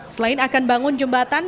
selain akan bangun jembatan